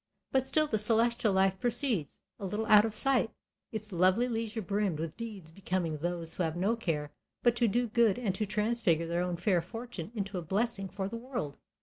But still the celestial life proceeds, a little out of sight, its lovely leisure brimmed with deeds becoming those who have no care but to do good and to transfigure their own fair fortune into a blessing for the world.